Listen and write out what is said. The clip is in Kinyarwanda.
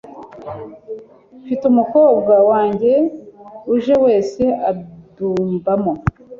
mfite umukobwa wange uje wese adumbamo